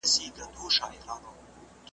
ورخبر یې کړزړګی په لړمانه کي ,